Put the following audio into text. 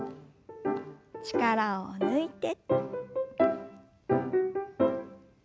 力を抜いて。